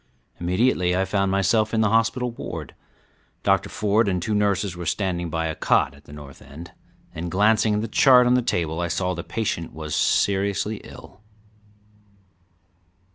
Immediately I found myself in the hospital ward. Dr. Ford and two nurses were standing by a cot at the north end, and glancing at the chart on the table I saw the patient was seriously ill.